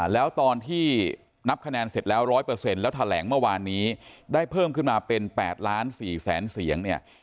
แล้วตอนที่นับคะแนนเสร็จแล้ว๑๐๐แล้วแถลงเมื่อวานนี้ได้เพิ่มขึ้นมาเป็น๘ล้าน๔แสนเสียงเนี่ย